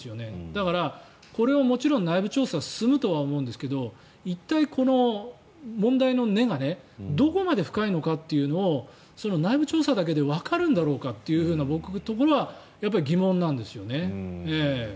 だから、これはもちろん内部調査進むと思うんですが一体、問題の根がどこまで深いのかっていうのを内部調査だけでわかるんだろうかというところは疑問なんですよね。